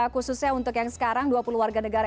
khususnya untuk yang sekarang dua puluh warga negara